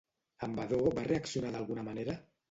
En Vadó va reaccionar d'alguna manera?